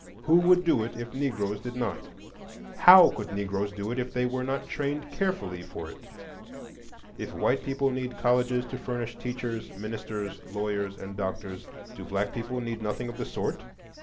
Who would do it if Negroes did not? How could Negroes do it if they were not trained carefully for it? If white people need colleges to furnish teachers, ministers, lawyers, and doctors, do black people need nothing of the sort?